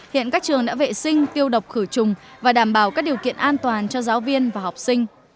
hiện các trường đã vệ sinh tiêu độc khử trùng và đảm bảo các điều kiện an toàn cho giáo viên và học sinh